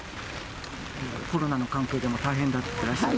コロナの関係でも大変でいらっしゃった。